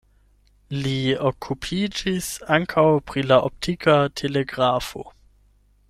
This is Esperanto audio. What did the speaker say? Li okupiĝis ankaŭ pri la optika telegrafo.